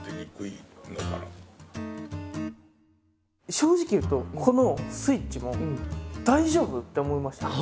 正直言うとこの「ＳＷＩＴＣＨ」も大丈夫？って思いました私は。